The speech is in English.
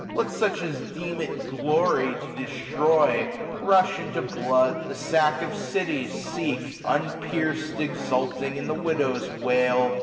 ]bet such as deem it glory to destroy. Rush into blood, ihie sacjk of cities so^ ; Unpierc'd, eitculting in the widow's wail.